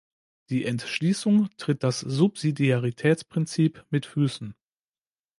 Die Entschließung tritt das Subsidiaritätsprinzip mit Füßen.